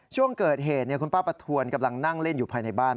ช่วงเกิดเหตุคุณป้าประทวนกำลังนั่งเล่นอยู่ภายในบ้าน